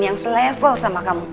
yang se level sama kamu